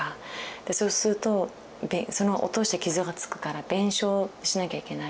そうすると落として傷がつくから弁償しなきゃいけない。